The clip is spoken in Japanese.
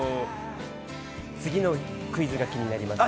次のクイズが気になります。